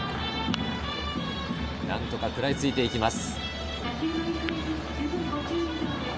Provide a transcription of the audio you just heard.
何とか食らいついていきます。